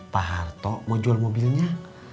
pak harto mau jual mobilnya